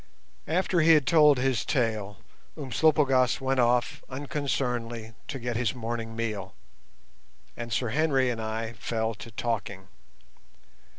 After he had told his tale Umslopogaas went off unconcernedly to get his morning meal, and Sir Henry and I fell to talking.